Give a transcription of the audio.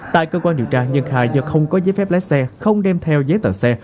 tại cơ quan điều tra nhân khai do không có giấy phép lái xe không đem theo giấy tờ xe